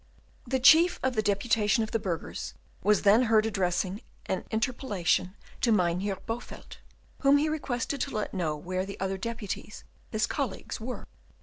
The chief of the deputation of the burghers was then heard addressing an interpellation to Mynheer Bowelt, whom he requested to let them know where the other deputies, his colleagues, were.